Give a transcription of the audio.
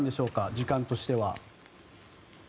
時間としては。